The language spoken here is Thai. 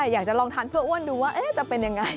อยากจะลองทานเพื่ออ้วนดูว่าจะเป็นยังไง